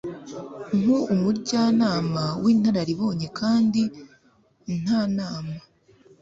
nk umujyanama w inararibonyekandi nta nama